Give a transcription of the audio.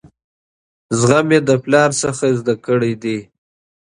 زغم مې له پلاره زده کړی دی.